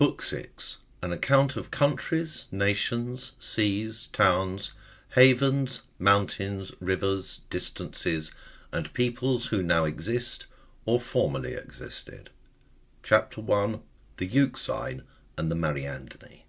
AN ACCOUNT OF COUNTRIES, NATIONS, SEAS, TOWNS, HAVENS, MOUNTAINS, RIVERS, DISTANCES, AND PEOPLES WHO NOW EXIST, OR FORMERLY EXISTED. CHAP. 1. (1.) THE EUXINE AXD THE MAETA:ffDINI.